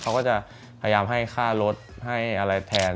เขาก็จะพยายามให้ค่ารถให้อะไรแทน